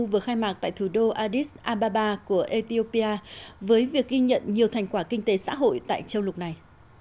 vừa khai mạc tại thủ đô addis ababa của ethiopia với việc ghi nhận nhiều thành quả kinh tế xã hội tại châu lục này